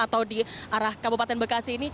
atau di arah kabupaten bekasi ini